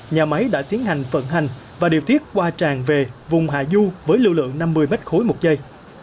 nhà máy đã tiến hành vận hành và điều tiết qua tràn về vùng hạ du với lưu lượng năm mươi m ba một giây